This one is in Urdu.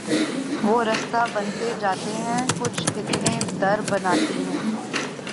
وہ رستہ بنتے جاتے ہیں کچھ اتنے در بناتی ہوں